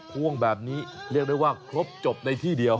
พ่วงแบบนี้เรียกได้ว่าครบจบในที่เดียว